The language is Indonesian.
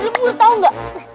lo boleh tau gak